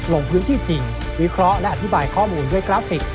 ลงพื้นที่จริงวิเคราะห์และอธิบายข้อมูลด้วยกราฟิก